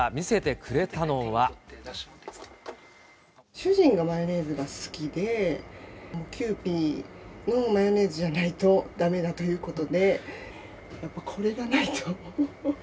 主人がマヨネーズが好きで、キユーピーのマヨネーズじゃないとだめだということで、やっぱこれがないと。